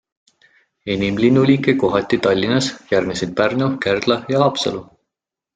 Enim linnuliike kohati Tallinnas, järgnesid Pärnu, Kärdla ja Haapsalu.